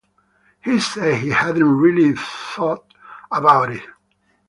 He said he hadn't really thought about it.